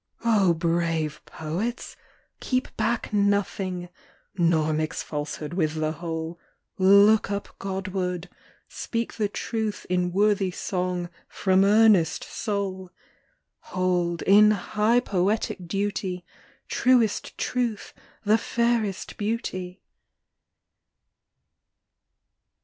O brave poets, keep back nothing ; Nor mix falsehood with the whole ! Look up Godward! speak the truth in Worthy song from earnest soul ! Hold, in high poetic duty, Truest Truth the fairest Beauty!